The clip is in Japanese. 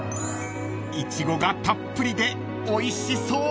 ［イチゴがたっぷりでおいしそう］